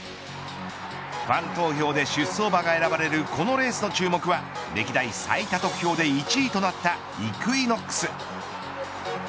ファン投票で出走馬が選ばれるこのレースの注目は歴代最多得票で１位となったイクイノックス。